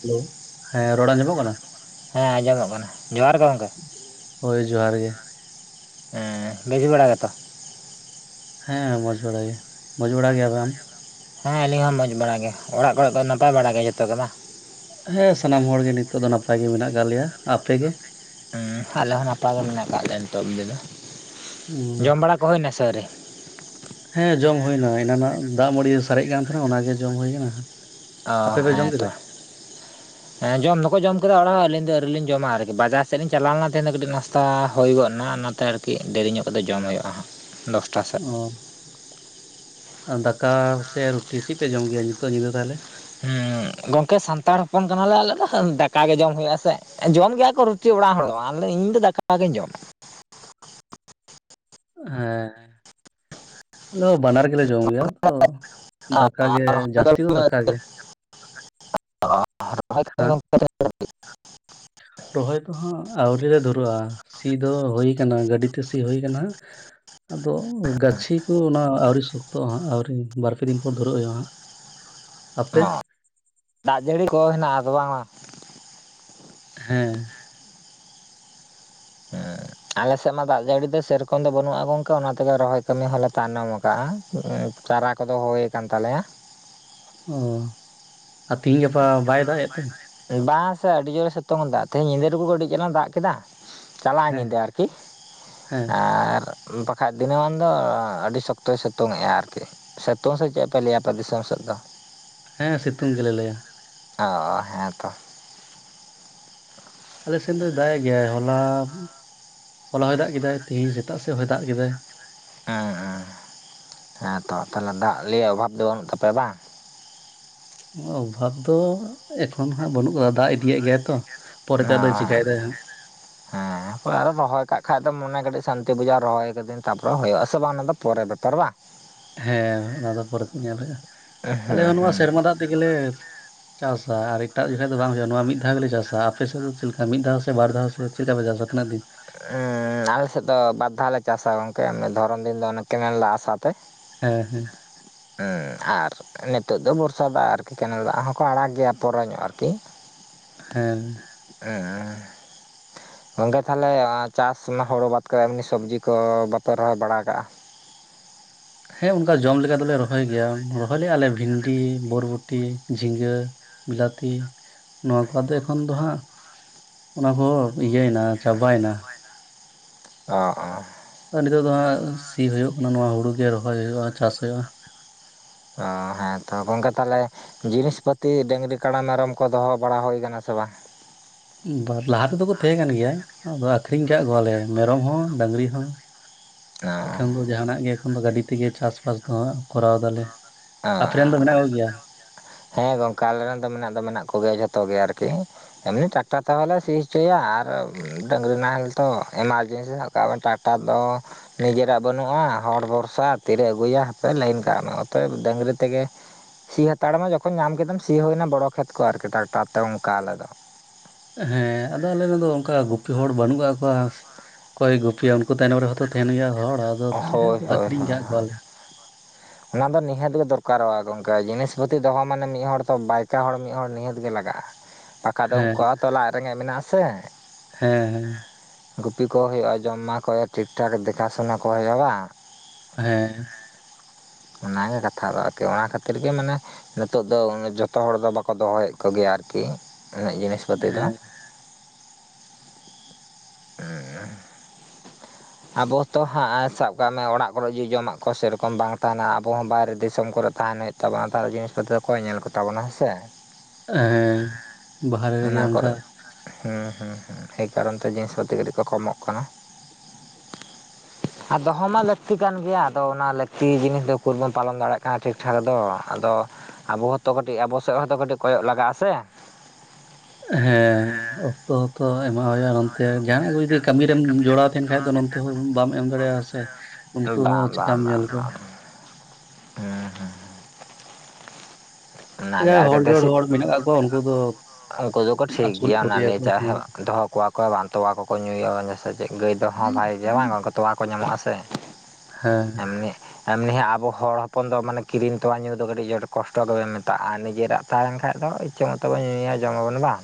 Hello, ᱦᱮᱸ ᱨᱚᱲ ᱟᱢᱚᱡᱚᱜ ᱠᱟᱱᱟ? ᱦᱮᱸ ᱟᱸᱡᱚᱢᱚᱜ ᱠᱟᱱᱟ ᱡᱚᱦᱟᱨ ᱜᱮ ᱜᱚᱢᱠᱮ ᱦᱳᱭ ᱡᱚᱦᱟᱨ ᱜᱮ᱾ ᱮᱸ ᱵᱷᱤᱜᱤ ᱵᱟᱲᱟ ᱜᱮᱛᱚ? ᱦᱮᱸ ᱢᱚᱸᱡᱽ ᱵᱟᱲᱟ ᱜᱮ, ᱢᱚᱸᱡᱽ ᱵᱟᱲᱟ ᱜᱮᱭᱟ ᱟᱢ? ᱦᱮᱸ ᱟᱹᱞᱤᱧ ᱦᱚᱸ ᱢᱚᱡᱽ ᱵᱟᱲᱟ ᱜᱮ, ᱚᱲᱟᱜ ᱠᱚᱨᱮ ᱠᱚ ᱱᱟᱯᱟᱭ ᱵᱟᱲᱟ ᱜᱮ ᱡᱚᱛᱚ ᱜᱮᱢᱟ ᱦᱮᱸ ᱥᱟᱱᱟᱢ ᱦᱚᱲ ᱜᱮ ᱱᱤᱛᱚᱜ ᱫᱚ ᱱᱟᱯᱟᱭ ᱜᱮ ᱢᱮᱱᱟᱜ ᱠᱟᱜ ᱞᱮᱭᱟ᱾ ᱟᱯᱮ ᱜᱮ? ᱦᱩᱸ ᱟᱞᱮ ᱦᱚᱸ ᱱᱟᱯᱟᱭ ᱜᱮ ᱢᱮᱱᱟᱜ ᱟᱠᱟᱜ ᱞᱮᱭᱟ ᱱᱤᱛᱚᱜ ᱛᱮᱫᱚ᱾ ᱦᱩᱸ, ᱡᱚᱢ ᱵᱟᱲᱟ ᱠᱚ ᱦᱩᱭᱱᱟ ᱥᱮ ᱟᱹᱣᱨᱤ? ᱦᱮᱸ ᱡᱚᱢ ᱦᱩᱭᱱᱟ ᱮᱱᱟᱱᱟᱜ ᱫᱟᱜᱽ ᱢᱟᱹᱲᱤ ᱥᱟᱨᱮᱜ ᱠᱟᱱ ᱛᱟᱦᱮᱸᱱᱟ ᱚᱱᱟ ᱜᱮ ᱡᱚᱢ ᱦᱩᱭ ᱠᱟᱱᱟ᱾ ᱚ ᱟᱯᱮ ᱯᱮ ᱡᱚᱢ ᱦᱮᱸ ᱠᱮᱫᱟ ᱛᱚ, ᱦᱮᱸ ᱡᱚᱢ ᱫᱚᱠᱚ ᱡᱚᱢ ᱠᱮᱫᱟ ᱚᱲᱟᱜ ᱦᱚᱸ ᱟᱹᱞᱤᱧ ᱫᱚ ᱟᱹᱣᱨᱤ ᱞᱤᱧ ᱡᱚᱢᱟ ᱟᱨᱠᱤ ᱵᱟᱡᱟᱨ ᱥᱮᱜ ᱞᱤᱧ ᱪᱟᱞᱟᱣ ᱞᱮᱱᱟ ᱛᱮᱦᱮᱸᱧ ᱠᱟᱹᱴᱤᱜ ᱱᱟᱥᱛᱟ ᱦᱩᱭ ᱜᱚᱫ ᱱᱟ ᱚᱱᱟ ᱛᱮ ᱟᱨᱠᱤ ᱫᱮᱨᱤ ᱧᱚᱜ ᱠᱟᱛᱮ ᱡᱚᱢ ᱦᱩᱭᱩᱜ-ᱟ ᱦᱟᱸᱜ ᱫᱚᱥᱴᱟ ᱥᱮᱫ ᱚ ᱟᱨ ᱫᱟᱠᱟ ᱥᱮ ᱨᱩᱴᱤ ᱪᱮᱜ ᱯᱮ ᱡᱚᱢ ᱜᱮᱭᱟ ᱱᱤᱛᱚᱜ ᱧᱤᱫᱟᱹ ᱛᱟᱦᱚᱞᱮ? ᱜᱚᱝᱠᱮ ᱥᱟᱱᱛᱟᱲ ᱦᱚᱯᱚᱱ ᱠᱟᱱᱟᱞᱮ ᱟᱞᱮ ᱫᱚ ᱫᱟᱠᱟ ᱜᱮ ᱡᱚᱢ ᱦᱩᱭᱩᱜ-ᱟ ᱥᱮ᱾ ᱡᱚᱢ ᱜᱮᱭᱟ ᱠᱚ ᱨᱩᱴᱤ ᱚᱲᱟᱜ ᱦᱚᱲ ᱫᱚ ᱟᱞᱮ ᱤᱧᱫᱚ ᱫᱟᱠᱟᱜᱤᱧ ᱡᱚᱢᱟ᱾ ᱦᱮᱸ ᱟᱞᱮᱫᱚ ᱵᱟᱱᱟᱨ ᱜᱮᱞᱮ ᱡᱚᱢ ᱜᱮᱭᱟ ᱛᱚ ᱫᱟᱠᱟ ᱜᱮ ᱡᱟᱹᱥᱛᱤ ᱫᱚ ᱫᱟᱠᱟ ᱜᱮ [unintelligible] ᱦᱮᱸ [unintelligible] ᱨᱚᱦᱚᱭ ᱠᱚᱦᱚᱸ ᱟᱹᱣᱨᱤ ᱞᱮ ᱫᱷᱩᱨᱟᱹᱜ-ᱟ ᱥᱤ ᱫᱚ ᱦᱩᱭ ᱠᱟᱱᱟ ᱜᱟᱹᱰᱤᱛᱮ ᱥᱤ ᱦᱩᱭ ᱠᱟᱱᱟ᱾ ᱟᱫᱚ ᱜᱟᱹᱪᱷᱤ ᱠᱚ ᱚᱱᱟ ᱟᱹᱣᱨᱤ ᱥᱚᱠᱛᱚ ᱦᱟᱸᱜ ᱟᱹᱣᱨᱤ ᱵᱟᱨᱯᱮ ᱫᱤᱱ ᱯᱚᱨ ᱫᱷᱩᱨᱟᱹᱜ ᱦᱩᱭᱩᱜ-ᱟ ᱦᱟᱸᱜ᱾ ᱟᱯᱮ ᱚ ᱫᱟᱜᱽ ᱡᱟᱹᱲᱤ ᱠᱚ ᱦᱮᱱᱟᱜ-ᱟ ᱟᱫᱚ ᱵᱟᱝᱢᱟ ᱦᱮᱸ᱾ ᱮᱸ ᱟᱞᱮ ᱥᱮᱜ ᱢᱟ ᱫᱟᱜᱽ ᱡᱟᱹᱲᱤ ᱫᱚ ᱥᱮᱨᱚᱠᱚᱢ ᱫᱚ ᱵᱟᱹᱱᱩᱜ-ᱟ ᱜᱚᱝᱠᱮ ᱚᱱᱟ ᱛᱮᱜᱮ ᱨᱚᱦᱚᱭ ᱠᱟᱹᱢᱤ ᱦᱚᱸᱞᱮ ᱛᱟᱭᱱᱚᱢ ᱟᱠᱟᱜ-ᱟ᱾ ᱪᱟᱨᱟ ᱠᱚᱫᱚ ᱦᱩᱭ ᱠᱟᱱ ᱛᱟᱞᱮᱭᱟ, ᱚ ᱟᱨ ᱛᱤᱦᱤᱧ ᱜᱟᱯᱟ ᱵᱟᱭ ᱫᱟᱜᱽ ᱮᱫ ᱛᱮ? ᱵᱟᱝᱥᱮ ᱟᱹᱰᱤ ᱡᱳᱨᱮ ᱥᱤᱛᱩᱝ ᱫᱟ ᱛᱮᱦᱮᱧ ᱧᱤᱫᱟᱹ ᱴᱩᱠᱩ ᱠᱟᱹᱴᱤᱜ ᱪᱟᱞᱟᱝ ᱮ ᱫᱟᱜᱽ ᱠᱮᱫᱟ᱾ ᱪᱟᱞᱟᱜᱼᱟ ᱦᱮᱸ ᱧᱤᱫᱟᱹ ᱟᱨᱠᱤ ᱦᱮᱸ ᱟᱨ ᱵᱟᱠᱷᱟᱭ ᱫᱤᱱᱟᱹᱢᱟᱱ ᱫᱚ ᱟᱹᱰᱤ ᱥᱚᱠᱛᱚᱭ ᱥᱤᱛᱚᱝᱮᱜᱼᱟ ᱟᱨᱠᱤ᱾ ᱥᱤᱛᱚᱝ ᱥᱮ ᱪᱮᱜ ᱯᱮ ᱞᱟᱹᱭᱟ ᱟᱯᱮ ᱫᱤᱥᱚᱢ ᱥᱮᱜ ᱫᱚ? ᱦᱮᱸ ᱥᱤᱛᱩᱝ ᱜᱮᱞᱮ ᱞᱟᱹᱭᱟ᱾ ᱚ ᱦᱮᱸᱛᱚ, ᱟᱞᱮ ᱥᱮᱱ ᱫᱚᱭ ᱫᱟᱜᱽ ᱮ ᱜᱮᱭᱟᱭ ᱦᱚᱞᱟ ᱦᱚᱞᱟ ᱦᱚᱭ ᱫᱟᱜᱽ ᱠᱮᱫᱟᱭ ᱛᱤᱦᱤᱧ ᱥᱮᱛᱟᱜ ᱥᱮᱫ ᱦᱚᱭ ᱫᱟᱜᱽ ᱠᱮᱫᱟᱭ᱾ ᱮᱸ ᱮᱸ ᱦᱮᱸᱛᱚ ᱛᱟᱦᱚᱞᱮ ᱫᱟᱜᱽ ᱞᱤᱭᱟᱹ ᱚᱵᱷᱟᱵ ᱫᱚ ᱵᱟᱹᱱᱩᱜ ᱛᱟᱯᱮᱭᱟ ᱵᱟᱝ? ᱚᱵᱷᱟᱵ ᱫᱚ ᱮᱠᱷᱚᱱ ᱦᱟᱸᱜ ᱵᱟᱹᱱᱩᱜ ᱠᱟᱫᱟ ᱫᱟᱜᱽ ᱤᱫᱤᱭᱮᱜ ᱜᱮᱭᱟᱭ ᱛᱚ᱾ ᱯᱚᱨᱮᱛᱮ ᱚ ᱟᱫᱚᱭ ᱦᱮᱸ, ᱪᱤᱠᱟᱭᱮᱫᱟᱭ ᱦᱟᱸᱜ ᱛᱟᱯᱚᱨ ᱟᱨᱚ ᱨᱚᱦᱚᱭ ᱠᱟᱜ ᱠᱷᱟᱡ ᱫᱚ ᱢᱚᱱᱮ ᱠᱟᱹᱴᱤᱜ ᱥᱟᱱᱛᱤ ᱵᱩᱡᱷᱟᱹᱜ-ᱟ ᱨᱚᱦᱚᱭ ᱠᱟᱫᱟᱹᱧ ᱛᱟᱯᱚᱨᱮ ᱦᱩᱭᱩᱜ-ᱟ ᱥᱮ ᱵᱟᱝ ᱚᱱᱟᱫᱚ ᱯᱚᱨᱮ ᱵᱮᱯᱟᱨ ᱵᱟᱝ᱾ ᱦᱮᱸ ᱚᱱᱟ ᱫᱚ ᱯᱚᱨᱮᱛᱮ ᱧᱮᱞ ᱦᱩᱭᱩᱜ-ᱟ᱾ ᱟᱞᱮ ᱦᱮᱸ ᱦᱚᱸ ᱱᱚᱣᱟ ᱦᱮᱸ᱾ ᱥᱮᱨᱢᱟ ᱫᱟᱜᱽ ᱛᱮᱜᱮᱞᱮ ᱪᱟᱥᱟ ᱟᱨ ᱮᱴᱟᱜ ᱡᱚᱠᱷᱟᱭ ᱫᱚ ᱵᱟᱝ ᱦᱩᱭᱩᱜ-ᱟ᱾ᱱᱚᱣᱟ ᱢᱤᱫ ᱫᱷᱟᱣ ᱜᱮᱞᱮ ᱪᱟᱥᱟ ᱟᱯᱮ ᱥᱮᱜ ᱫᱚ ᱪᱮᱫ ᱞᱮᱠᱟ ᱢᱤᱫ ᱫᱷᱟᱣ ᱥᱮ ᱵᱟᱨ ᱫᱷᱟᱣ ᱥᱮ ᱪᱮᱜ ᱞᱮᱠᱟ ᱯᱮ ᱪᱟᱥᱟ ᱛᱤᱱᱟᱹᱜ ᱫᱤᱱ? ᱮᱻ ᱟᱞᱮ ᱥᱮᱜ ᱫᱚ ᱵᱟᱨ ᱫᱷᱟᱣ ᱞᱮ ᱪᱟᱥᱟ ᱜᱚᱝᱠᱮ ᱫᱷᱚᱨᱚᱱ ᱫᱤᱱ ᱫᱚ ᱚᱱᱮ ᱠᱮᱱᱮᱞ ᱫᱟᱜᱽ ᱟᱥᱟ ᱛᱮ ᱦᱮᱸ ᱦᱮᱸ ᱦᱩᱸ ᱟᱨ ᱱᱤᱛᱚᱜ ᱫᱚ ᱵᱚᱨᱥᱟ ᱫᱟᱜᱽ ᱟᱨᱠᱤ ᱠᱮᱱᱮᱞ ᱫᱟᱜᱽ ᱦᱚᱸᱠᱚ ᱟᱲᱟᱜ ᱜᱮᱭᱟ ᱯᱚᱨᱮ ᱧᱚᱜ ᱟᱨᱠᱤ᱾ ᱦᱮᱸ, ᱮᱸ ᱜᱚᱝᱠᱮ ᱛᱟᱦᱚᱞᱮ ᱪᱟᱥ ᱚᱱᱟ ᱦᱩᱲ ᱵᱟᱫ ᱠᱟᱛᱮ ᱮᱢᱱᱤ ᱥᱚᱵᱽᱡᱤ ᱠᱚ ᱵᱟᱯᱮ ᱨᱚᱦᱚᱭ ᱵᱟᱲᱟ ᱠᱟᱜ-ᱟ? ᱦᱮᱸ ᱩᱝᱠᱟ ᱡᱚᱢ ᱞᱮᱠᱟ ᱫᱚᱞᱮ ᱨᱚᱦᱚᱭ ᱜᱮᱭᱟ ᱨᱚᱦᱚᱭ ᱞᱮᱜ-ᱟ ᱞᱮ ᱵᱷᱤᱱᱰᱤ ᱵᱚᱨᱵᱚᱴᱤ ᱡᱷᱤᱸᱜᱟᱹ᱾ ᱵᱤᱞᱟᱹᱛᱤ ᱱᱚᱣᱟ ᱠᱚᱫᱚ ᱮᱠᱷᱚᱱ ᱫᱚ ᱦᱟᱸᱜ, ᱚᱱᱟ ᱠᱚᱦᱚᱸ ᱤᱭᱟᱹᱱᱟ ᱪᱟᱵᱟᱭᱱᱟ᱾ ᱚ ᱦᱚᱸ᱾ ᱟᱨ ᱱᱤᱛᱳᱜ ᱫᱚ ᱦᱟᱸᱜ ᱥᱤ ᱦᱩᱭᱩᱜ ᱠᱟᱱᱟ ᱱᱚᱣᱟ ᱦᱩᱲᱩ ᱜᱮ ᱨᱚᱦᱚᱭ ᱦᱩᱭᱩᱜ-ᱟ ᱪᱟᱥ ᱦᱩᱭᱩᱜᱼᱟ᱾ ᱚ ᱦᱮᱸᱛᱚ ᱜᱚᱝᱠᱮ ᱛᱟᱦᱚᱞᱮᱼᱼ ᱡᱤᱱᱤᱥ ᱯᱟᱹᱛᱤ ᱰᱟᱹᱝᱨᱤ ᱠᱟᱲᱟ ᱢᱮᱨᱚᱢ ᱠᱚ ᱫᱚᱦᱚ ᱵᱟᱲᱟ ᱦᱩᱭ ᱟᱠᱟᱱᱟ ᱥᱮ ᱵᱟᱝ? ᱵᱟ ᱞᱟᱦᱟ ᱛᱮᱫᱚ ᱠᱚ ᱛᱟᱦᱮᱸ ᱠᱟᱱ ᱜᱮᱭᱟ ᱟᱫᱚ ᱟᱠᱷᱨᱤᱧ ᱟᱠᱟᱫ ᱠᱚᱣᱟᱞᱮ ᱢᱮᱨᱚᱢ ᱦᱚᱸ ᱰᱟᱹᱝᱨᱤ ᱦᱚᱸ᱾ ᱮᱠᱷᱚᱱ ᱫᱚ ᱡᱟᱦᱟᱸᱱᱟᱜ ᱜᱮ ᱮᱠᱷᱚᱱ ᱫᱚ ᱜᱟᱹᱰᱤ ᱛᱮᱜᱮ ᱪᱟᱥᱵᱟᱥ ᱫᱚ ᱠᱚᱨᱟᱣ ᱫᱟᱞᱮ᱾ ᱟᱯᱮᱨᱮᱱ ᱫᱚ ᱢᱮᱱᱟᱜ ᱠᱚᱜᱮᱭᱟ ᱚ ᱦᱮᱸ ᱜᱚᱝᱠᱮ ᱟᱞᱮ ᱨᱮᱱ ᱫᱚ ᱢᱮᱱᱟᱜ ᱫᱚ ᱢᱮᱱᱟᱜ ᱠᱚᱜᱮᱭᱟ ᱡᱷᱚᱛᱚ ᱜᱮ ᱟᱨᱠᱤ᱾ ᱮᱢᱱᱤ ᱴᱨᱟᱠᱴᱟᱨ ᱛᱮᱦᱚᱸ ᱞᱮ ᱥᱤ ᱦᱚᱪᱚᱭᱟ ᱟᱨ ᱰᱟᱝᱨᱤ ᱱᱟᱦᱮᱞ ᱛᱚ ᱮᱢᱟᱨᱡᱮᱱᱥᱤ ᱠᱟᱨᱚᱱᱼᱼ ᱱᱮᱛᱟᱨ ᱫᱚ ᱱᱤᱡᱮᱨᱟᱜ ᱵᱟᱹᱱᱩᱜᱼᱟ ᱦᱚᱲ ᱵᱷᱚᱨᱥᱟ ᱛᱤᱨᱮ ᱟᱹᱜᱩᱭᱟ ᱦᱟᱯᱮ ᱞᱟᱹᱭᱤᱱ ᱠᱟᱜ ᱢᱮ᱾ ᱚᱛᱚᱭᱮᱵ ᱰᱟᱹᱝᱨᱤ ᱛᱮᱜᱮᱼᱼ ᱥᱤ ᱦᱟᱛᱟᱲ ᱢᱮ ᱡᱚᱠᱷᱚᱱ ᱧᱟᱢ ᱠᱮᱫᱟᱢ ᱥᱤ ᱦᱩᱭᱱᱟ ᱵᱚᱲᱚ ᱠᱷᱮᱛ ᱠᱚ ᱟᱨᱠᱤ ᱴᱟᱠᱴᱟᱨ ᱛᱮ ᱚᱝᱠᱟ ᱟᱞᱮ ᱫᱚ᱾ ᱦᱮᱸ ᱟᱫᱚ ᱟᱞᱮ ᱫᱚ ᱚᱱᱠᱟ ᱜᱩᱯᱤ ᱦᱚᱲ ᱵᱟᱹᱱᱩᱜ ᱠᱟᱜ ᱠᱚᱣᱟ᱾ ᱚᱠᱚᱭ ᱜᱩᱯᱤᱭᱟ ᱩᱱᱠᱩ ᱛᱟᱭᱱᱚᱢ ᱨᱮᱦᱚᱸ ᱛᱚ ᱛᱟᱦᱮᱸᱱ ᱦᱩᱭᱩᱜᱼᱟ ᱦᱚᱲ ᱟᱫᱚ ᱛᱟᱦᱚᱞᱮ ᱠᱷᱟᱱ ᱦᱳᱭ ᱫᱚ ᱦᱳᱭ ᱟᱠᱷᱨᱤᱧ ᱦᱳᱭ ᱠᱟᱫ ᱠᱚᱣᱟᱞᱮ [inaudible] ᱚᱱᱟ ᱫᱚ ᱱᱤᱦᱟᱹᱛ ᱜᱮ ᱫᱚᱨᱠᱟᱨᱚᱜᱼᱟ ᱜᱚᱝᱠᱮ ᱡᱤᱱᱤᱥ ᱯᱟᱹᱛᱤ ᱫᱚᱦᱚ ᱢᱟᱱᱮ ᱢᱤᱫ ᱦᱚᱲ ᱛᱚ ᱵᱟᱭᱠᱟ ᱦᱚᱲ ᱢᱤᱫ ᱦᱚᱲ ᱱᱤᱦᱟᱹᱛ ᱜᱮ ᱞᱟᱜᱟᱜᱼᱟ᱾ ᱵᱟᱠᱷᱟᱡ ᱫᱚ ᱦᱮᱸ ᱩᱱᱠᱩᱣᱟᱜ ᱦᱚᱸᱛᱚ ᱞᱟᱡ ᱨᱮᱸᱜᱮᱡ ᱢᱮᱱᱟᱜ ᱟᱥᱮᱼᱼ ᱦᱮᱸ ᱦᱮᱸ ᱜᱩᱯᱤ ᱠᱚ ᱦᱩᱭᱩᱜ-ᱟ ᱡᱚᱢ ᱮᱢᱟᱠᱚ ᱦᱩᱭᱩᱜᱼᱟ ᱴᱷᱤᱠ ᱴᱷᱟᱠ ᱫᱮᱠᱷᱟᱥᱩᱱᱟ ᱠᱚ ᱦᱩᱭᱩᱜᱼᱟ ᱵᱟᱝ ᱦᱮᱸ ᱚᱱᱟᱜᱮ ᱠᱟᱛᱷᱟ ᱫᱚ ᱟᱨᱠᱤ ᱚᱱᱟ ᱠᱷᱟᱹᱛᱤᱨ ᱜᱮ ᱢᱟᱱᱮᱼᱼ ᱱᱤᱛᱚᱜ ᱫᱚ ᱡᱚᱛᱚ ᱦᱚᱲ ᱫᱚ ᱵᱟᱠᱚ ᱫᱚᱦᱚᱭᱮᱫ ᱠᱚᱜᱮᱭᱟ ᱟᱹᱨᱠᱤ ᱩᱱᱟᱹᱜ ᱡᱤᱱᱤᱥ ᱯᱟᱹᱛᱤ ᱫᱚ᱾ ᱦᱮᱸ ᱦᱩᱢ ᱟᱵᱚ ᱛᱚ ᱦᱟᱸᱜ ᱥᱟᱵ ᱠᱟᱜ ᱢᱮ ᱚᱲᱟᱜ ᱠᱚᱨᱮᱜ ᱡᱚᱫᱤ ᱡᱚᱢᱟᱜ ᱠᱚ ᱥᱮᱨᱚᱠᱚᱢ ᱵᱟᱝ ᱛᱟᱦᱮᱱᱟ ᱟᱵᱚ ᱵᱟᱭᱨᱮ ᱫᱤᱥᱚᱢ ᱠᱚᱨᱮ ᱛᱟᱦᱮᱱᱟ ᱦᱩᱜᱼᱼ ᱛᱟᱵᱚᱱᱟ ᱛᱟᱦᱚᱞᱮ ᱡᱤᱱᱤᱥ ᱯᱚᱛᱨᱚ ᱚᱠᱚᱭ ᱧᱮᱞ ᱠᱚᱛᱟ ᱵᱚᱱᱟ ᱦᱮᱸ ᱥᱮᱼᱼ ᱮᱸ ᱵᱟᱦᱨᱮ ᱨᱮᱜᱮ ᱚᱱᱠᱟᱼᱼ ᱠᱚᱨᱮ ᱦᱩᱸ ᱦᱩᱸ ᱦᱩᱸ ᱮ ᱠᱟᱨᱚᱱ ᱛᱮ ᱡᱤᱱᱤᱥ ᱯᱟᱛᱤ ᱠᱟᱹᱴᱤᱡ ᱠᱚ ᱠᱚᱢᱚᱜ ᱠᱟᱱᱟ᱾ ᱟᱨ ᱫᱚᱦᱚ ᱢᱟ ᱞᱟᱹᱠᱛᱤ ᱠᱟᱱ ᱜᱮᱭᱟ ᱟᱫᱚ ᱚᱱᱟ ᱞᱟᱹᱠᱛᱤ ᱡᱤᱱᱤᱥ ᱫᱚ ᱩᱠᱩᱨ ᱵᱚᱱ ᱯᱟᱞᱚᱱ ᱫᱟᱲᱮᱭᱟᱜ ᱠᱟᱱᱟ ᱴᱷᱤᱠ ᱴᱷᱟᱠ ᱫᱚ ᱟᱫᱚᱼᱼ ᱟᱵᱚ ᱦᱚᱸᱛᱚ ᱠᱟᱹᱴᱤᱡ ᱟᱵᱚ ᱥᱮᱫ ᱦᱚᱸᱛᱚ ᱠᱟᱹᱴᱤᱡ ᱠᱚᱭᱚᱜ ᱞᱟᱜᱟᱜᱼᱟ ᱥᱮ᱾ ᱦᱮᱸ ᱚᱠᱛᱚ ᱛᱚ ᱮᱢᱟᱜ ᱦᱩᱭᱩᱜᱼᱟ ᱱᱚᱱᱛᱮ ᱡᱟᱦᱟ ᱱᱟᱜ ᱠᱚ ᱡᱩᱫᱤᱼᱼ ᱠᱟᱹᱢᱤ ᱨᱮᱢ ᱡᱚᱲᱟᱣ ᱛᱟᱦᱮᱱ ᱠᱷᱟᱱ ᱫᱚ ᱱᱚᱱᱛᱮ ᱦᱚᱸ ᱵᱟᱢ ᱮᱢ ᱫᱟᱲᱮᱭᱟᱜᱼᱟ ᱥᱮ ᱩᱱᱠᱩ ᱵᱟᱝ ᱦᱚᱸ ᱵᱟᱝ ᱪᱤᱠᱟᱢ ᱵᱟᱝ ᱧᱮᱞ ᱠᱚᱣᱟ᱾ ᱵᱟᱝ ᱦᱩᱸ ᱦᱩᱸ ᱚᱱᱟᱜᱮ ᱡᱟᱦᱟᱸᱭ ᱟᱨ ᱦᱚᱲ ᱡᱚᱲ ᱫᱮᱥᱤ ᱦᱚᱲ ᱢᱮᱱᱟᱜ ᱠᱟᱫ ᱠᱚᱣᱟ ᱩᱱᱠᱩ ᱫᱚᱼᱼ ᱩᱱᱠᱩ ᱫᱚᱠᱚ ᱴᱷᱤᱠ ᱜᱮᱭᱟ ᱱᱟᱜ ᱡᱟᱦᱟᱸ ᱫᱚᱦᱚ ᱠᱚᱣᱟ ᱠᱚ ᱵᱟᱝ ᱛᱚᱣᱟ ᱠᱚᱠᱚ ᱧᱩᱭᱟ ᱥᱟ ᱪᱮᱫᱼᱼ ᱜᱟᱹᱭ ᱫᱚᱦᱚᱸ ᱵᱷᱟᱜᱮ ᱜᱮᱭᱟ ᱵᱟᱝ ᱚᱝᱠᱟ ᱛᱚᱣᱟ ᱠᱚ ᱧᱟᱢᱚᱜᱼᱟ ᱥᱮ ᱦᱮᱸ ᱮᱢᱱᱤᱼᱼ ᱮᱢᱱᱤ ᱟᱵᱚ ᱦᱚᱲ ᱦᱚᱯᱚᱱ ᱫᱚ ᱢᱟᱱᱮ ᱠᱤᱨᱤᱧ ᱛᱚᱣᱟ ᱧᱩ ᱫᱚ ᱠᱟᱹᱴᱤᱡ ᱟᱸᱴ ᱠᱚᱥᱴᱚᱼᱼ ᱟᱜ ᱟᱨ ᱱᱤᱡᱮᱨᱟᱜ ᱛᱟᱦᱮᱸ ᱞᱮᱱ ᱠᱷᱟᱡ ᱫᱚ ᱤᱪᱪᱷᱟᱹ ᱢᱚᱛᱚᱵᱚᱱ ᱧᱩᱭᱟ ᱡᱚᱢᱟᱵᱚᱱ ᱵᱟᱝ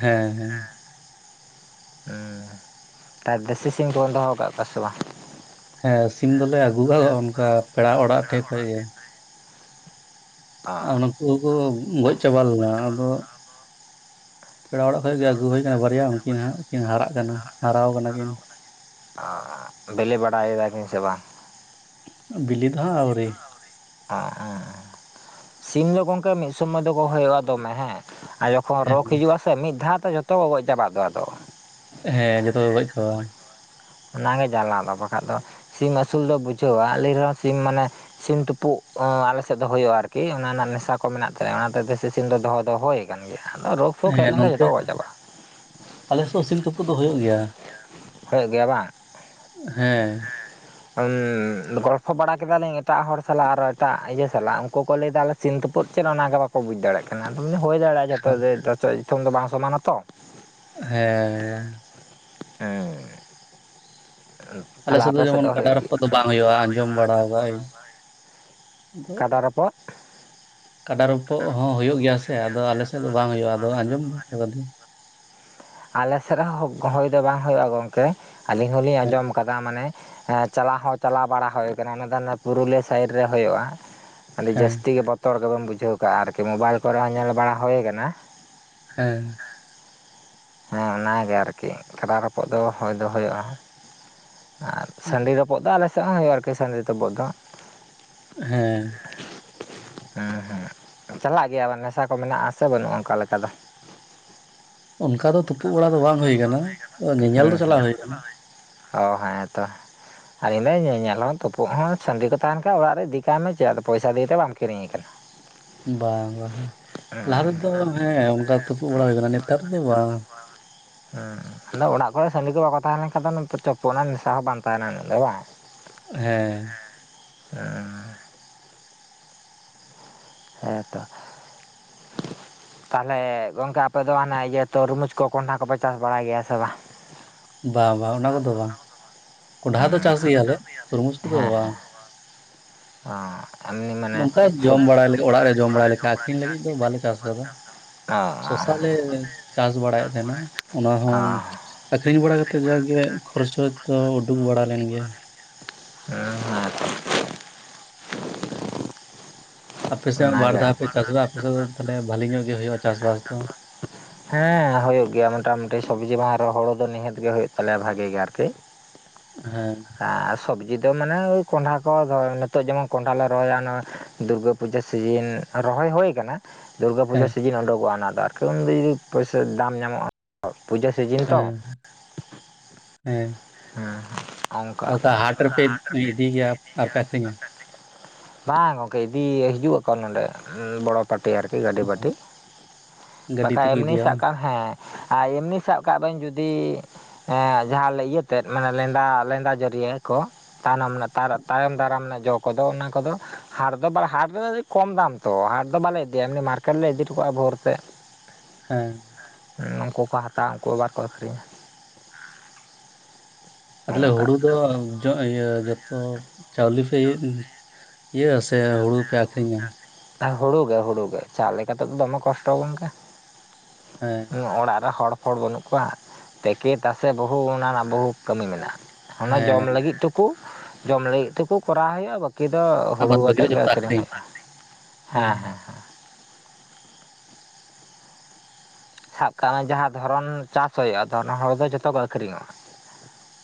ᱦᱮᱸ ᱦᱮᱸ ᱟᱨ ᱫᱮᱥᱤ ᱥᱤᱢ ᱠᱚᱵᱚᱱ ᱫᱚᱦᱚ ᱟᱠᱟᱫ ᱠᱚᱣᱟ ᱥᱮ ᱵᱟᱝ? ᱦᱮᱸ ᱥᱤᱢ ᱫᱚᱞᱮ ᱟᱹᱜᱩ ᱠᱟᱫ ᱠᱚᱣᱟ ᱚᱱᱠᱟ ᱯᱮᱲᱟ ᱚᱲᱟᱜ ᱴᱷᱮᱡ ᱠᱷᱚᱡ ᱜᱮ ᱚ ᱚᱱᱟ ᱩᱱᱠᱚ ᱦᱚᱸᱠᱚ ᱜᱚᱡ ᱪᱟᱵᱟ ᱞᱮᱱᱟ ᱟᱫᱚᱼᱼ ᱯᱮᱲᱟ ᱚᱲᱟᱜ ᱠᱷᱚᱡ ᱜᱮ ᱟᱹᱜᱩ ᱦᱩᱭ ᱟᱠᱟᱱᱟ ᱵᱟᱨᱭᱟ ᱩᱱᱠᱤᱱ ᱦᱟᱸᱜ ᱠᱤᱱ ᱦᱟᱨᱟᱜ ᱠᱟᱱᱟ ᱦᱟᱨᱟ ᱟᱠᱟᱱᱟ ᱠᱤᱱ᱾ ᱵᱮᱹᱞᱮᱹ ᱵᱟᱲᱟ ᱭᱮᱫᱟ ᱠᱤᱱ ᱥᱮ ᱵᱟᱝ? ᱵᱤᱞᱤ ᱫᱚ ᱦᱟᱸᱜ ᱟᱹᱣᱨᱤᱼᱼ ᱚ ᱥᱤᱢ ᱫᱚ ᱜᱚᱢᱠᱮ ᱢᱤᱫ ᱥᱚᱢᱚᱭ ᱫᱚᱠᱚ ᱦᱩᱭᱩᱜᱼᱟ ᱫᱚᱢᱮ ᱦᱮᱸ, ᱟᱭᱚᱼᱼ ᱠᱷᱚᱱ ᱨᱳᱜᱽ ᱦᱤᱡᱩᱜᱼᱟ ᱥᱮ ᱢᱤᱫ ᱫᱷᱟᱣ ᱛᱮ ᱡᱚᱛᱚ ᱠᱚ ᱜᱚᱡ ᱪᱟᱵᱟᱜ ᱫᱚ ᱟᱫᱚ᱾ ᱦᱮᱸ ᱡᱚᱛᱚ ᱠᱚ ᱜᱚᱡ ᱪᱟᱵᱟᱜᱼᱟ᱾ ᱚᱱᱟᱜᱮ ᱡᱟᱱᱟᱞᱟ ᱫᱚ ᱵᱟᱠᱷᱟᱡ ᱫᱚ ᱥᱤᱢ ᱟᱹᱥᱩᱞ ᱫᱚ ᱵᱩᱡᱷᱟᱹᱣᱟ ᱟᱞᱤᱧ ᱨᱮᱦᱚᱸ ᱥᱤᱢ ᱢᱟᱱᱮᱼᱼ ᱥᱤᱢ ᱛᱩᱯᱩᱜ ᱟᱞᱮ ᱥᱮᱫ ᱫᱚ ᱦᱩᱭᱩᱜᱼᱟ ᱟᱹᱨᱠᱤ, ᱚᱱᱟ ᱨᱮᱱᱟᱜ ᱱᱮᱥᱟ ᱠᱚ ᱢᱮᱱᱟᱜ ᱛᱮ ᱚᱱᱟ ᱛᱮ ᱫᱮᱥᱤ ᱥᱤᱢ ᱫᱚᱦᱚ ᱫᱚ ᱦᱳᱭ ᱠᱟᱱ ᱜᱮᱭᱟ, ᱨᱳᱜᱽ ᱯᱷᱳᱜᱽ ᱦᱮᱡ ᱦᱮᱸ ᱞᱮᱱᱠᱷᱟᱱ ᱡᱚᱛᱚ ᱱᱚᱱᱛᱮ ᱠᱚ ᱜᱚᱡ ᱪᱟᱵᱟᱜᱼᱟ᱾ ᱟᱞᱮ ᱥᱮ ᱥᱤᱢ ᱛᱩᱯᱩᱜ ᱫᱚ ᱦᱩᱭᱩᱜ ᱜᱮᱭᱟ᱾ ᱦᱳᱯᱳᱜ ᱜᱮᱭᱟ ᱵᱟᱝ᱾ ᱦᱮᱸ ᱜᱚᱞᱯᱷᱚ ᱵᱟᱲᱟ ᱠᱮᱫᱟ ᱞᱤᱧ ᱮᱴᱟᱜ ᱦᱚᱲ ᱥᱟᱞᱟᱜ ᱟᱨᱚ ᱮᱴᱟᱜ ᱤᱭᱟᱹ ᱥᱟᱞᱟᱜ, ᱩᱱᱠᱩ ᱠᱚ ᱞᱟᱹᱭ ᱮᱫᱟ ᱟᱞᱮ ᱥᱤᱢ ᱛᱩᱯᱩᱫ ᱪᱮᱫ ᱚᱱᱟᱜᱮ ᱵᱟᱠᱚ ᱵᱩᱡᱽ ᱫᱟᱲᱮᱭᱟᱜ ᱠᱟᱱᱟ ᱟᱫᱚ ᱢᱟᱱᱮ ᱦᱩᱭ ᱫᱟᱲᱮᱭᱟᱜᱼᱟ ᱡᱚᱛᱚ ᱜᱮ ᱡᱚᱛᱚ ᱫᱤᱥᱚᱢ ᱫᱚ ᱵᱟᱝ ᱥᱚᱢᱟᱱᱟᱛᱚ᱾ ᱦᱮᱸ ᱦᱮᱸ ᱟᱞᱮ ᱛᱟᱦᱚᱞᱮ ᱥᱮᱫ ᱫᱚ ᱟᱯᱮ ᱡᱮᱢᱚᱱ ᱠᱟᱰᱟ ᱦᱩᱭᱩᱜ ᱜᱮᱭᱟ ᱨᱚᱯᱚᱜ ᱫᱚ ᱵᱟᱝ ᱦᱩᱭᱩᱜᱼᱟ ᱟᱸᱡᱚᱢ ᱵᱟᱲᱟ ᱠᱟᱜ ᱟᱹᱧ᱾ ᱟᱫᱚ ᱠᱟᱰᱟ ᱨᱚᱯᱚᱜ᱾ ᱠᱟᱰᱟ ᱨᱚᱯᱚᱜ ᱦᱚᱸ ᱦᱩᱭᱩᱜ ᱜᱮᱭᱟ ᱥᱮ, ᱟᱫᱚ ᱟᱞᱮᱥᱮᱫ ᱫᱚ ᱵᱟᱝ ᱦᱩᱭᱩᱜᱼᱟ ᱟᱫᱚ ᱟᱸᱡᱚᱢ [inaudible] ᱟᱞᱮ ᱥᱮᱫ ᱨᱮᱦᱚᱸ ᱦᱩᱭ ᱫᱚ ᱵᱟᱝ ᱦᱩᱭᱩᱜᱼᱟ ᱜᱚᱢᱠᱮ, ᱟᱹᱞᱤᱧ ᱦᱚᱞᱤᱧ ᱦᱮᱸ ᱟᱸᱡᱚᱢ ᱠᱟᱫᱟ ᱢᱟᱱᱮ ᱪᱟᱞᱟᱣ ᱦᱚᱸ ᱪᱟᱞᱟᱣ ᱵᱟᱲᱟ ᱦᱩᱭ ᱟᱠᱟᱱᱟ ᱚᱱᱟ ᱫᱚ ᱯᱩᱨᱩᱞᱤᱭᱟᱹ ᱥᱟᱭᱤᱰ ᱨᱮ ᱦᱩᱭᱩᱜᱼᱟ, ᱟᱹᱰᱤ ᱦᱮᱸ ᱡᱟᱹᱥᱛᱤ ᱜᱮ ᱵᱚ ᱛᱚᱨ ᱜᱮᱵᱚᱱ ᱵᱩᱡᱷᱟᱹᱣ ᱠᱟᱜᱼᱟ ᱟᱹᱨᱠᱤ, ᱢᱳᱵᱟᱭᱤᱞ ᱠᱚᱨᱮ ᱦᱚᱸ ᱧᱮᱞ ᱵᱟᱲᱟ ᱦᱩᱭ ᱟᱠᱟᱱᱟ᱾ ᱦᱮᱸ ᱦᱮᱸ ᱚᱱᱟᱜᱮ ᱟᱹᱨᱠᱤ, ᱠᱟᱰᱟ ᱨᱚᱯᱚᱜ ᱫᱚ ᱦᱩᱭ ᱫᱚ ᱦᱩᱭᱩᱜᱼᱟ ᱟᱨ ᱥᱟᱺᱰᱤ ᱛᱚᱯ ᱛᱩᱯᱩᱜ ᱫᱚ ᱟᱞᱮᱥᱮᱫ ᱦᱚᱸ ᱦᱩᱭᱩᱜᱼᱟ ᱟᱹᱨᱠᱤ ᱥᱟᱺᱰᱤ ᱛᱩᱯᱩᱜ ᱫᱚ᱾ ᱦᱮᱸ ᱦᱩᱸ ᱦᱩᱸ ᱪᱟᱞᱟᱜ ᱜᱮᱭᱟ ᱵᱤᱱ, ᱱᱮᱥᱟ ᱠᱚ ᱢᱮᱱᱟᱜᱼᱟ ᱥᱮ ᱵᱟᱹᱱᱩᱜᱼᱟ ᱚᱱᱠᱟ ᱞᱮᱠᱟ ᱫᱚ? ᱚᱱᱠᱟ ᱫᱚ ᱛᱩᱯᱩᱜ ᱵᱟᱲᱟ ᱫᱚ ᱵᱟᱝ ᱦᱩᱭ ᱟᱠᱟᱱᱟ᱾ ᱦᱮᱸ [inaudible] ᱚ ᱦᱮᱸᱛᱚ᱾ ᱟᱞᱤᱧ ᱫᱚ ᱧᱮᱧᱮᱞ ᱦᱚᱸ ᱛᱩᱯᱩᱜ ᱦᱚᱸ ᱥᱟᱺᱰᱤ ᱠᱚ ᱛᱟᱦᱮᱱ ᱠᱷᱟᱱ ᱚᱲᱟᱜ ᱨᱮ ᱤᱫᱤ ᱠᱟᱭ ᱢᱮ ᱪᱮᱫ ᱟᱫᱚ ᱯᱚᱭᱥᱟ ᱫᱤᱭᱮᱛᱚ ᱵᱟᱢ ᱠᱤᱨᱤᱧᱮ ᱠᱟᱱᱟ᱾ ᱵᱟᱝ ᱵᱟᱝ, ᱞᱟᱦᱟ ᱛᱮᱫᱚ ᱦᱮᱸ ᱚᱱᱠᱟ ᱛᱩᱯᱩᱜ ᱵᱟᱲᱟ ᱦᱩᱭ ᱟᱠᱟᱱᱟ ᱱᱮᱛᱟᱨ ᱫᱚ ᱵᱟᱝ᱾ ᱦᱮᱸ ᱟᱫᱚ ᱚᱲᱟᱜ ᱠᱚᱨᱮ ᱥᱟᱺᱰᱤ ᱠᱚ ᱵᱟᱠᱚ ᱛᱟᱦᱮᱸ ᱞᱮᱱ ᱠᱷᱟᱱ ᱫᱚ ᱛᱚᱯᱩᱜ ᱨᱮᱱᱟ ᱱᱮᱥᱟ ᱦᱚᱸ ᱵᱟᱝ ᱛᱟᱦᱮᱱᱟ ᱩᱱᱟ. ᱜ ᱫᱚ ᱵᱟᱝ ᱾ ᱦᱮᱸ [inaudible] ᱦᱮᱸ ᱛᱚ ᱾ ᱛᱟᱞᱦᱮ ᱜᱚᱝᱠᱮ ᱟᱯᱮ ᱫᱚ ᱟᱱᱮ ᱤᱭᱟᱹ ᱛᱚᱨᱢᱩᱡᱽ ᱠᱚ ᱠᱚᱱᱰᱷᱟ ᱠᱚ ᱯᱮ ᱪᱟᱥ ᱵᱟᱲᱟᱭ ᱜᱮᱭᱟ ᱥᱮ ᱵᱟᱝ ᱾ ᱵᱟᱝ ᱵᱟᱝ ᱚᱱᱟ ᱠᱚᱫᱚ ᱵᱟᱝ, ᱠᱚᱸᱰᱷᱟ ᱫᱚ ᱦᱮᱸ ᱪᱟᱥ ᱜᱮᱭᱟᱞᱮ ᱛᱩᱨᱢᱩᱡᱽ ᱠᱚᱫᱚ ᱦᱮᱸ ᱵᱟᱝ ᱾ [inaudible] ᱢᱟᱱᱮ ᱱᱚᱝᱠᱟ ᱥᱚᱵ ᱡᱚᱢ ᱵᱟᱲᱟᱭ ᱞᱮᱠᱟ, ᱚᱲᱟᱜ ᱨᱮ ᱞᱮ ᱡᱚᱢ ᱵᱟᱲᱟᱭ ᱞᱮᱠᱟ ᱟᱠᱷᱨᱤᱧ ᱞᱟᱹᱜᱤᱫ ᱫᱚ ᱵᱟᱞᱮ ᱪᱟᱥ ᱟᱠᱟᱫᱟ ᱚ ᱾ ᱥᱚᱥᱟ ᱞᱮ ᱪᱟᱥ ᱵᱟᱲᱟᱭᱮᱫ ᱛᱟᱦᱮᱱᱟ ᱚᱱᱟ ᱚ ᱦᱚᱸ ᱟᱠᱷᱨᱤᱧ ᱵᱟᱲᱟ ᱠᱟᱛᱮᱫ ᱡᱟᱜᱮ ᱠᱷᱚᱨᱪ ᱴᱚᱨᱚᱡ ᱫᱚ ᱩᱰᱩᱠ ᱵᱟᱲᱟ ᱞᱮᱱ ᱜᱮᱭᱟ ᱾ [inaudible] ᱟᱯᱮ ᱥᱮᱫ ᱵᱟᱨ ᱚᱱᱟᱜᱮ ᱫᱷᱟᱣ ᱯᱮ ᱪᱟᱥᱟ ᱮᱫᱟ ᱾ ᱟᱯᱮ ᱥᱮᱫ ᱫᱚ ᱛᱟᱦᱮ ᱵᱷᱟᱞᱤ ᱧᱚᱜ ᱜᱮ ᱦᱩᱭᱩᱜᱼᱟ ᱪᱟᱥᱵᱟᱥ ᱫᱚ ᱾ ᱦᱮᱸ ᱦᱩᱭᱩᱜ ᱜᱮᱭᱟ ᱢᱚᱴᱟ ᱢᱩᱴᱤ ᱥᱚᱵᱽᱡᱤ ᱵᱟᱝ ᱨᱮᱦᱚᱸ ᱦᱳᱲᱳ ᱫᱚ ᱱᱤᱦᱟᱹᱛ ᱜᱮ ᱦᱩᱭᱩᱜ ᱛᱟᱞᱮᱭᱟ ᱵᱷᱟᱜᱤ ᱜᱮ ᱟᱨᱠᱤ ᱾ ᱦᱮᱸ ᱟᱨ ᱥᱚᱵᱽᱡᱤ ᱫᱚ ᱢᱟᱱᱮ ᱳᱭ ᱠᱚᱸᱰᱷᱟ ᱠᱚ ᱱᱤᱛᱚᱜ ᱡᱮᱢᱚᱱ ᱠᱚᱸᱰᱷᱟ ᱞᱮ ᱨᱚᱦᱭᱟ ᱾ ᱫᱩᱨᱜᱟᱹ ᱯᱩᱡᱟᱹ ᱥᱤᱡᱤᱱ ᱨᱚᱦᱚᱭ ᱦᱩᱭ ᱟᱠᱟᱱᱟ ᱾ ᱫᱩᱨᱜᱟ ᱯᱩᱡᱟᱹ ᱦᱮᱸ ᱥᱤᱡᱤᱱ ᱩᱰᱩᱠᱚᱜᱼᱟ ᱚᱱᱟ ᱫᱚ ᱟᱨᱠᱤ ᱩᱱ ᱫᱚ ᱡᱩᱫᱤ ᱯᱚᱭᱥᱟ ᱫᱟᱢ ᱧᱟᱢᱚᱜᱼᱟ ᱾ ᱯᱩᱡᱟᱹ ᱥᱤᱡᱤᱱ ᱛᱚ ᱾ ᱦᱮᱸ ᱦᱮᱸ [inaudible] ᱫᱟᱜ ᱦᱟᱴ ᱨᱮᱯᱮ ᱤᱫᱤ ᱜᱮᱭᱟ ᱟᱨᱯᱮ ᱟᱠᱷᱨᱤᱧᱟ ᱾ ᱵᱟᱝ ᱜᱚᱝᱠᱮ ᱤᱫᱤ ᱦᱤᱡᱩᱜ ᱟᱠᱚ ᱱᱚᱰᱮ ᱵᱚᱲᱚ ᱯᱟᱹᱴᱤ ᱟᱨᱠᱤ ᱜᱟᱹᱰᱤ ᱯᱟᱹᱴᱤ ᱜᱟᱹᱰᱤ ᱵᱟᱠᱷᱟᱡ ᱛᱮᱠᱚ ᱮᱢᱱᱤ ᱤᱫᱤᱭᱟ ᱥᱟᱵ ᱵᱟᱝ ᱠᱟᱜ ᱢᱮ ᱦᱮᱸ ᱾ ᱟᱨ ᱮᱢᱱᱤ ᱥᱟᱵ ᱠᱟᱜ ᱵᱮᱹᱱ ᱡᱩᱫᱤ ᱡᱟᱦᱟᱸ ᱞᱮ ᱤᱭᱟᱹ ᱠᱟᱛᱮᱫ ᱢᱟᱱᱮ ᱞᱮᱸᱫᱟ ᱞᱮᱸᱫᱟ ᱡᱟᱹᱨᱤᱭᱟᱹ ᱠᱚ ᱛᱟᱭᱱᱚᱢ ᱛᱟᱭᱚᱢ ᱫᱟᱨᱟᱢ ᱨᱮᱱᱟᱜ ᱡᱚ ᱛᱮᱫ ᱠᱚᱫᱚ ᱚᱱᱟ ᱠᱚᱫᱚ ᱦᱟᱴ ᱫᱚ ᱵᱟ ᱦᱟᱴ ᱨᱮ ᱠᱚᱢ ᱫᱟᱢ ᱛᱚ ᱦᱟᱴ ᱫᱚ ᱵᱟᱞᱮ ᱤᱫᱤᱭᱟ ᱮᱢᱱᱤ ᱢᱟᱨᱠᱮᱴ ᱞᱮ ᱤᱫᱤ ᱦᱚᱴᱚᱠᱟᱜᱼᱟ ᱵᱷᱳᱨ ᱛᱮ ᱾ ᱦᱮᱸ ᱩᱱᱠᱩ ᱠᱚ ᱦᱟᱛᱟᱣᱟ ᱩᱱᱠᱩ ᱟᱵᱟᱨ ᱠᱚ ᱟᱹᱠᱷᱨᱤᱧᱟ ᱾ ᱟᱫ ᱛᱟᱦᱚᱞᱮ ᱱᱚᱝᱠᱟ ᱦᱩᱲᱩ ᱫᱚ ᱤᱭᱟᱹ ᱡᱚᱛᱚ ᱪᱟᱣᱞᱮ ᱯᱮ ᱤᱭᱟᱹ ᱥᱮ ᱦᱩᱲᱩ ᱯᱮ ᱟᱹᱠᱷᱨᱤ ᱦᱩᱲᱩ ᱜᱮ ᱦᱩᱲᱩ ᱜᱮ ᱪᱟᱣᱞᱮ ᱠᱟᱛᱮ ᱫᱚ ᱫᱚᱢᱮ ᱜᱮ ᱠᱚᱥᱴᱚ ᱟ ᱜᱚᱝᱠᱮ ᱦᱮᱸ ᱱᱚᱣᱟ ᱚᱲᱟᱜ ᱨᱮ ᱦᱚᱲ ᱯᱷᱚᱲ ᱵᱟᱹᱱᱩᱜ ᱠᱚᱣᱟ ᱛᱮᱠᱤ ᱛᱟᱥᱮ ᱵᱟᱹᱦᱩ ᱚᱱᱟ ᱨᱮᱱᱟᱜ ᱵᱟᱹᱦᱩ ᱠᱟᱹᱢᱤ ᱢᱮᱱᱟᱜᱼᱟ ᱾ ᱚᱱᱟ ᱡᱚᱢ ᱦᱮᱸ ᱞᱟᱹᱜᱤᱫ ᱴᱩᱠᱩ ᱡᱚᱢ ᱞᱟᱹᱜᱤᱫ ᱴᱩᱠᱩ ᱠᱚᱨᱟᱣ ᱦᱩᱭᱩᱜᱼᱟ ᱵᱟᱠᱤ ᱵᱟᱠᱤ ᱫᱚ ᱦᱩᱲᱩ ᱟᱵᱟᱫ ᱵᱟᱹᱜᱤ ᱟᱛᱮᱫ ᱨᱮ ᱜᱮ ᱡᱚᱛᱚ ᱟᱹᱠᱷᱨᱤᱧ ᱟᱠᱷᱨᱤᱧ ᱦᱩᱭᱩᱜᱼᱟ ᱦᱮᱸ ᱦᱮᱸ ᱥᱟᱵ ᱠᱟᱜ ᱢᱮ ᱡᱟᱦᱟᱸ ᱫᱷᱚᱨᱚᱱ ᱪᱟᱹᱥ ᱦᱩᱭᱩᱜᱼᱟ ᱫᱚ ᱚᱱᱟ ᱦᱩᱲᱩ ᱫᱚ ᱡᱚᱛᱚ ᱜᱮ ᱟᱹᱠᱷᱨᱤᱧᱚᱜᱼᱟ ᱾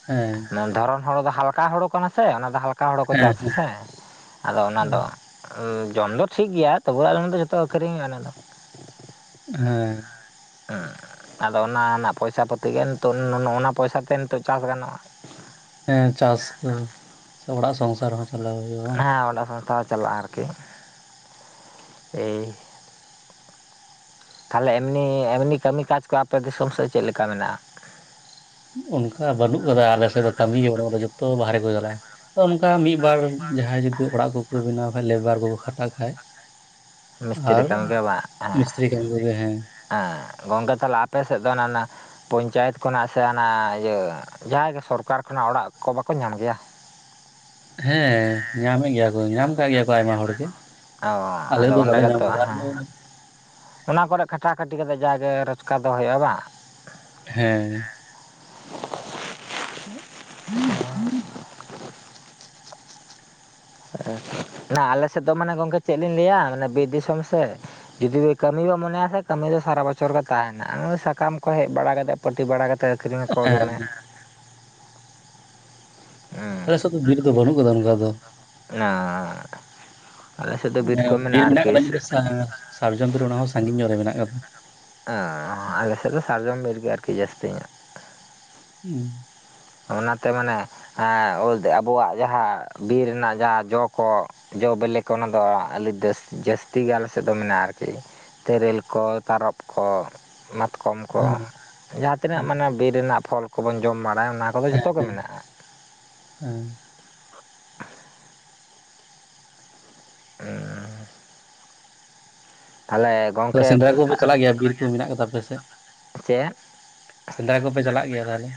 ᱦᱮᱸ ᱫᱷᱚᱨᱚᱱ ᱦᱩᱲᱩ ᱫᱚ ᱦᱟᱞᱠᱟ ᱦᱩᱲᱩ ᱠᱟᱱᱟ ᱥᱮ ᱚᱱᱟ ᱫᱚ ᱦᱟᱞᱠᱟ ᱦᱩᱲᱩ ᱠᱚ ᱦᱮᱸ ᱪᱟᱹᱥ ᱟᱥᱮ ᱟᱫᱚ ᱚᱱᱟ ᱫᱚ ᱦᱮᱸ ᱚ ᱡᱚᱢ ᱫᱚ ᱴᱷᱤᱠ ᱜᱮᱭᱟ ᱛᱚᱵᱮ ᱟᱞᱮ ᱫᱚ ᱡᱷᱚᱛᱚ ᱟᱹᱠᱷᱨᱤᱧᱼᱟ ᱚᱱᱟ ᱫᱚ ᱦᱮᱸ ᱟᱫᱚ ᱚᱱᱟ ᱨᱮᱱᱟᱜ ᱯᱚᱭᱥᱟ ᱯᱟᱹᱛᱤᱜᱮ ᱱᱤᱛᱚᱜ ᱱᱚᱣᱱᱟ ᱯᱚᱭᱥᱟᱛᱮ ᱱᱤᱛᱚᱜ ᱪᱟᱹᱥ ᱜᱟᱱᱚᱜᱼᱟ ᱾ ᱦᱮᱸ ᱪᱟᱹᱥ ᱫᱚ ᱥᱮ ᱚᱲᱟᱜ ᱥᱚᱝᱥᱟᱨ ᱦᱚᱸ ᱪᱟᱞᱟᱣ ᱦᱩᱭᱩᱜᱼᱟ ᱦᱮᱸ ᱚᱱᱟᱸ ᱥᱚᱝᱥᱛᱷᱟ ᱦᱚᱸ ᱪᱟᱞᱟᱜᱼᱟ ᱟᱨᱠᱤ ᱮᱭ ᱛᱟᱦᱚᱞᱮ ᱮᱢᱱᱤ ᱮᱢᱱᱤ ᱠᱟᱹᱢᱤ ᱠᱟᱡᱽ ᱠᱚ ᱟᱯᱮ ᱫᱤᱥᱚᱢ ᱥᱮᱫ ᱪᱮᱫ ᱞᱮᱠᱟ ᱢᱮᱱᱟᱜᱼᱟ? ᱚᱱᱠᱟ ᱵᱟᱹᱱᱩᱜ ᱠᱟᱫᱟ ᱟᱞᱮᱥᱮᱫ ᱫᱚ ᱠᱟᱹᱢᱤ ᱜᱮ ᱵᱟᱱᱩᱜᱟ ᱡᱚᱛᱚ ᱵᱟᱦᱨᱮ ᱠᱚ ᱪᱟᱞᱟᱜᱼᱟ ᱾ ᱛᱚ ᱚᱱᱠᱟ ᱢᱤᱫᱵᱟᱨ ᱡᱟᱦᱟᱸᱭ ᱡᱩᱫᱤ ᱚᱲᱟᱜ ᱠᱚᱠᱚ ᱵᱮᱱᱟᱣ ᱠᱷᱟᱡ ᱞᱮᱵᱟᱨ ᱠᱚᱠᱚ ᱠᱷᱟᱴᱟᱜ ᱠᱷᱟᱡ ᱢᱤᱥᱛᱨᱤ ᱟᱨ ᱠᱟᱹᱢᱤ ᱠᱚ ᱵᱟᱝ ᱦᱮᱸ ᱢᱤᱥᱛᱨᱤ ᱠᱟᱹᱢᱤ ᱠᱚᱜᱮ ᱦᱮᱸ ᱦᱮᱸ ᱜᱚᱝᱠᱮ ᱛᱟᱦᱚᱞᱮ ᱟᱯᱮ ᱥᱮᱫ ᱫᱚ ᱚᱱᱮ ᱚᱱᱟ ᱯᱚᱧᱪᱟᱭᱤᱛ ᱠᱷᱚᱱᱟᱜ ᱥᱮ ᱚᱱᱟ ᱤᱭᱟᱹ ᱡᱟᱦᱟᱸᱭ ᱜᱮ ᱥᱚᱨᱠᱟᱨ ᱠᱷᱚᱱᱟᱜ ᱚᱲᱟᱜ ᱠᱚ ᱵᱟᱠᱚ ᱧᱟᱢ ᱜᱮᱭᱟ? ᱦᱮᱸ ᱧᱟᱢᱮᱜ ᱜᱮᱭᱟ ᱠᱚ ᱧᱟᱢ ᱟᱠᱟᱜ ᱜᱮᱭᱟ ᱠᱚ ᱟᱭᱢᱟ ᱦᱚᱲ ᱜᱮ ᱚ ᱟᱞᱮ ᱟᱫᱚ ᱫᱚ ᱚᱸᱰᱮ ᱵᱟᱞᱮ ᱧᱟᱢ ᱜᱮᱛᱚ ᱠᱟᱫᱟ ᱟᱞᱮ ᱦᱮᱸ ᱚᱱᱟ ᱠᱚᱨᱮ ᱠᱷᱟᱹᱴᱟ ᱠᱷᱟᱹᱴᱤ ᱠᱟᱛᱮ ᱡᱟᱣᱜᱮ ᱨᱚᱡᱽᱠᱟᱨ ᱫᱚ ᱦᱩᱭᱩᱜᱼᱟ ᱵᱟᱝ ᱦᱮᱸ [inaudible] ᱟᱞᱮ ᱥᱮᱫ ᱫᱚ ᱢᱟᱱᱮ ᱜᱚᱝᱠᱮ ᱪᱮᱫ ᱞᱤᱧ ᱞᱟᱹᱭᱟ ᱢᱟᱱᱮ ᱵᱤᱨ ᱫᱤᱥᱚᱢ ᱥᱮᱼᱼ ᱡᱩᱫᱤ ᱠᱟᱹᱢᱤ ᱵᱚ ᱢᱚᱱᱮᱭᱟ ᱥᱮ ᱠᱟᱹᱢᱤ ᱫᱚ ᱥᱟᱨᱟ ᱵᱚᱪᱷᱚᱨ ᱜᱮ ᱛᱟᱦᱮᱱᱟ ᱟᱨ ᱥᱟᱠᱟᱢ ᱠᱚ ᱦᱮᱡ ᱵᱟᱲᱟ ᱠᱟᱛᱮᱜ ᱯᱟᱹᱴᱤ ᱵᱟᱲᱟ ᱠᱟᱛᱮ ᱟᱹᱠᱷᱨᱤᱧᱟᱠᱚ ᱦᱮᱸ ᱫᱚᱢᱮ ᱦᱩᱸ ᱟᱞᱮᱥᱮᱫ ᱫᱚ ᱵᱤᱨ ᱫᱚ ᱵᱟᱹᱱᱩᱜ ᱟᱠᱟᱫᱟ ᱚᱱᱠᱟ ᱫᱚ ᱟᱸᱻᱜ ᱮᱸ ᱵᱤᱨ ᱢᱮᱱᱟᱜ ᱟᱠᱟᱫᱟ ᱢᱤᱫᱴᱮᱡ ᱥᱮᱸ ᱥᱟᱨᱡᱚᱢ ᱵᱤᱨ ᱚᱱᱟ ᱦᱚᱸ ᱥᱟᱺᱜᱤᱧ ᱧᱚᱜ ᱨᱮ ᱢᱮᱱᱟᱜ ᱟᱠᱟᱫᱟ᱾ ᱮᱸᱻᱟ ᱟᱞᱮ ᱥᱮᱫ ᱫᱚ ᱥᱟᱨᱡᱚᱢ ᱵᱤᱨ ᱜᱮ ᱟᱨᱠᱤ ᱡᱟᱹᱥᱛᱤ ᱧᱚᱜ ᱦᱩᱸ ᱚᱱᱟᱛᱮ ᱢᱟᱱᱮ ᱮ ᱚᱞᱛᱮ ᱟᱵᱚᱣᱟᱜ ᱡᱟᱦᱟᱸ ᱵᱤᱨ ᱨᱮᱱᱟᱜ ᱡᱟᱦᱟᱸ ᱡᱚ ᱠᱚ ᱡᱚ ᱵᱤᱞᱤ ᱠᱚ ᱚᱱᱟ ᱫᱚ ᱟᱹᱰᱤ ᱡᱟ. ᱥ ᱡᱟᱹᱥᱛᱤ ᱜᱮ ᱟᱞᱮ ᱥᱮᱫ ᱫᱚ ᱢᱮᱱᱟᱜᱼᱟ ᱟᱨᱠᱤ ᱛᱮᱨᱮᱞ ᱠᱚ ᱛᱟᱨᱚᱵ ᱠᱚ ᱢᱟᱛᱼᱼ ᱠᱚᱢ ᱠᱚ ᱦᱮᱸ ᱡᱟᱦᱟ ᱛᱤᱱᱟᱹᱜ ᱦᱮᱸ ᱢᱟᱱᱮ ᱵᱤᱨ ᱨᱮᱱᱟᱜ ᱯᱷᱚᱞ ᱠᱚᱵᱚᱱ ᱡᱚᱢ ᱵᱟᱲᱟᱭᱟ ᱚᱱᱟ ᱠᱚᱫᱚ ᱦᱮᱸ ᱡᱷᱚᱛᱚ ᱜᱮ ᱦᱮᱸ, ᱢᱮᱱᱟᱜᱼᱟ ᱦᱮᱸ᱾ ᱮᱸ᱾ ᱛᱟᱦᱞᱮ ᱛᱚᱵᱮ ᱥᱮᱸᱫᱽᱨᱟ ᱠᱚᱯᱮ ᱪᱟᱞᱟᱜ ᱜᱮᱭᱟ ᱵᱤᱨ ᱠᱚ ᱢᱮᱱᱟᱜ ᱠᱟᱫᱟ ᱟᱯᱮᱥᱮᱡ᱾ ᱪᱮᱫ? ᱥᱮᱸᱫᱽᱨᱟ ᱠᱚᱯᱮ ᱪᱟᱞᱟᱜ ᱜᱮᱭᱟ ᱛᱟᱦᱞᱮ?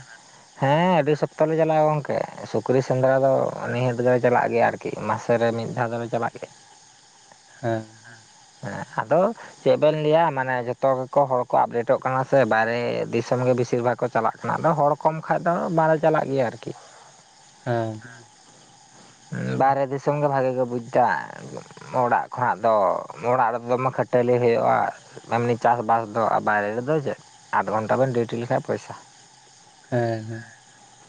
ᱦᱮᱸ ᱟᱹᱰᱤ ᱥᱚᱠᱛᱚ ᱞᱮ ᱪᱟᱞᱟᱜᱼᱟ ᱜᱚᱝᱠᱮ, ᱥᱩᱠᱨᱤ ᱥᱮᱸᱫᱽᱨᱟ ᱫᱚ ᱱᱤᱦᱟᱹᱛ ᱜᱮᱞᱮ ᱪᱟᱞᱟᱜ ᱜᱮᱭᱟ ᱟᱨᱼᱼ ᱠᱤ ᱢᱟᱥᱮᱨᱮ ᱢᱤᱫ ᱫᱷᱟᱣ ᱫᱚᱞᱮ ᱪᱟᱞᱟᱜ ᱠᱮᱫ᱾ ᱦᱮᱸ᱾ ᱦᱮᱸ ᱦᱟᱫᱚᱼᱼ ᱪᱮᱫ ᱵᱮᱱ ᱞᱟᱹᱭᱟ ᱢᱟᱱᱮ ᱡᱚᱛᱚ ᱜᱮᱠᱚ ᱦᱚᱲ ᱠᱚ ᱟᱯᱰᱮᱴᱚᱜ ᱠᱟᱱᱟ ᱥᱮ ᱵᱟᱭᱨᱮ ᱫᱤᱥᱚᱢ ᱜᱮ ᱵᱮᱥᱤᱨ ᱵᱷᱟᱜᱽ ᱠᱚ ᱪᱟᱞᱟᱜ ᱠᱟᱱᱟ᱾ ᱚᱱᱟ ᱫᱚ ᱦᱚᱲ ᱠᱚᱢ ᱠᱷᱟᱡ ᱫᱚ ᱵᱟᱞᱮ ᱪᱟᱞᱟᱜ ᱜᱮᱭᱟ ᱟᱨᱠᱤ᱾ ᱦᱮᱸ᱾ ᱩᱸ ᱵᱟᱨᱦᱮ ᱫᱤᱥᱚᱢ ᱜᱮ ᱵᱷᱟᱜᱤ ᱜᱮ ᱵᱩᱡᱽ ᱫᱟ᱾ ᱚᱲᱟᱜ ᱠᱷᱚᱱᱟᱜ ᱫᱚ ᱚᱲᱟᱜ ᱨᱮ ᱫᱚᱢᱮ ᱠᱷᱟᱹᱴᱟᱹᱞᱤ ᱦᱩᱭᱩᱜᱼᱟ᱾ ᱮᱢᱱᱤ ᱪᱟᱥᱵᱟᱥ ᱫᱚ ᱟᱨ ᱵᱟᱭᱨᱮ ᱨᱮᱫᱚ ᱪᱮᱫ ᱟᱴᱷ ᱜᱷᱚᱱᱴᱟ ᱵᱮᱱ ᱰᱤᱭᱩᱴᱤ ᱞᱮᱠᱷᱟᱡ ᱯᱚᱭᱥᱟ᱾ ᱦᱮᱸ ᱦᱮᱸ᱾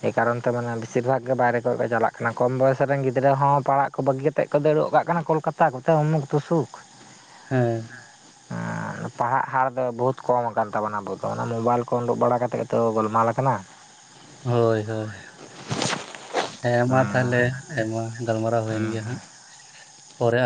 ᱮᱭ ᱠᱟᱨᱚᱱ ᱛᱮ ᱢᱟᱱᱮ ᱵᱮᱥᱤᱨ ᱵᱷᱟᱜᱽ ᱜᱮ ᱵᱟᱭᱨᱮ ᱠᱚ ᱠᱚ ᱪᱟᱞᱟᱜ ᱠᱟᱱᱟ᱾ ᱠᱚᱢ ᱵᱚᱭᱚᱥ ᱨᱮᱱ ᱜᱤᱫᱽᱨᱟᱹ ᱦᱚᱸ ᱯᱟᱲᱦᱟᱜ ᱠᱚ ᱵᱟᱹᱜᱤ ᱟᱛᱮᱫ ᱠᱚ ᱫᱟᱹᱲᱩᱜ ᱠᱟᱜ ᱠᱟᱱᱟ ᱠᱳᱞᱠᱟᱛᱟ ᱜᱚᱛᱟ ᱩᱢᱩᱠ ᱛᱩᱥᱩᱠ᱾ ᱦᱮᱸ᱾ [inaudible] ᱯᱟᱲᱦᱟᱜ ᱦᱟᱲ ᱫᱚ ᱵᱚᱦᱩᱛ ᱠᱚᱢ ᱟᱠᱟᱱ ᱯᱟᱲᱦᱟᱜ ᱦᱟᱨ ᱫᱚ ᱛᱟᱵᱚᱱᱟ ᱟᱵᱚᱫᱚ ᱚᱱᱟ ᱢᱳᱵᱟᱭᱤᱞ ᱠᱚ ᱩᱰᱩᱠ ᱵᱟᱲᱟᱠᱟᱛᱮᱜ ᱜᱮᱛᱚ ᱜᱳᱞᱢᱟᱞ ᱟᱠᱟᱱᱟ᱾ ᱦᱳᱭ ᱦᱳᱭ, ᱦᱮᱸ ᱢᱟ ᱛᱟᱦᱚᱸᱞᱮ᱾ ᱟᱭᱢᱟ ᱜᱟᱞᱢᱟᱨᱟᱣ ᱦᱩᱭᱮᱱ ᱦᱮᱸ ᱜᱮᱭᱟ ᱦᱮᱸ ᱦᱟᱸᱜ᱾ ᱯᱚᱨᱮ ᱟᱼᱼ